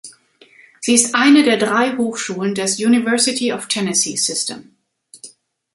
Sie ist eine der drei Hochschulen des University of Tennessee System.